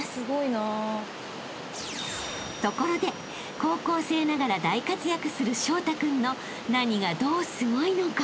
［ところで高校生ながら大活躍する彰太君の何がどうすごいのか？］